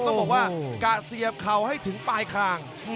ต้องบอกว่ากะเสียบเข่าให้ถึงปลายคาง